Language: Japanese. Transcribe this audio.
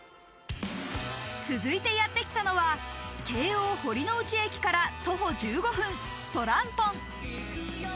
続いてやってきたのは、京王堀之内駅から徒歩１５分、とらんぽん。